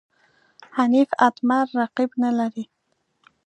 حنیف اتمر رقیب نه لري.